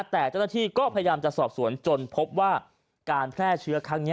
แต่เจ้าหน้าที่ก็พยายามจะสอบสวนจนพบว่าการแพร่เชื้อครั้งนี้